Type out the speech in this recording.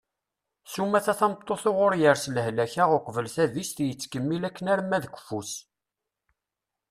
sumata tameṭṭut uɣur yers lehlak-a uqbel tadist yettkemmil akken arma d keffu-s